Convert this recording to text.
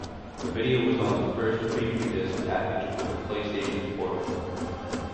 The video was on the first preview disk packaged with the PlayStation Portable.